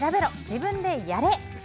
自分でやれ！